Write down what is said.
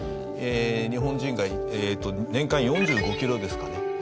日本人が年間４５キロですかね